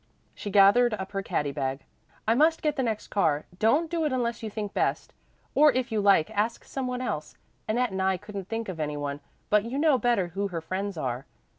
She gathered up her caddy bag. "I must get the next car. Don't do it unless you think best. Or if you like ask some one else. Annette and I couldn't think of any one, but you know better who her friends are."